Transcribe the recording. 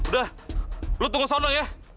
udah lu tunggu sana ya